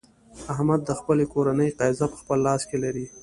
احمد د خپلې کورنۍ قېزه په خپل لاس کې لري.